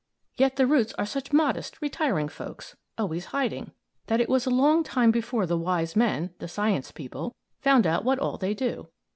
Yet the roots are such modest, retiring folks, always hiding, that it was a long time before the wise men the science people found out what all they do.